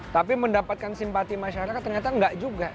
tapi mendapatkan simpati masyarakat ternyata enggak juga